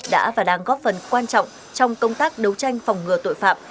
đã và đang góp phần quan trọng trong công tác đấu tranh phòng ngừa tội phạm